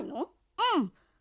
うん。